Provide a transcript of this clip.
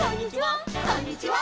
「こんにちは」